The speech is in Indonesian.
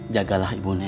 jagalah ibu nek